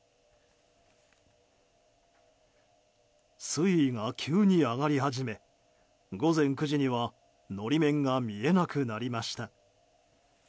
水位が急に上がり始め午前９時には法面が見えなくなりました。